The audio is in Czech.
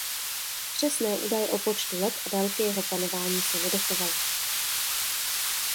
Přesné údaje o počtu let a délky jeho panování se nedochovala.